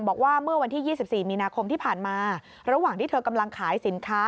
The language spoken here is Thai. บอกว่าเมื่อวันที่๒๔มีนาคมที่ผ่านมาระหว่างที่เธอกำลังขายสินค้า